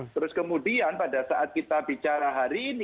terus kemudian pada saat kita bicara hari ini